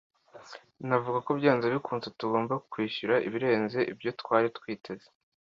Navuga ko byanze bikunze tugomba kwishyura ibirenze ibyo twari twiteze.